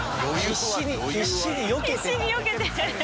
必死によけて。